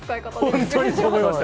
本当にそう思いました。